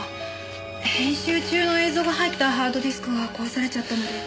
編集中の映像が入ったハードディスクが壊されちゃったので。